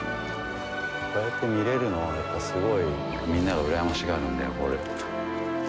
こうやって見えるのは、やっぱすごい、みんなが羨ましがるんだよ、これ。